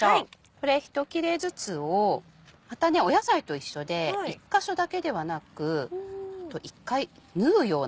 これ一切れずつをまた野菜と一緒で１か所だけではなく１回縫うような感じ。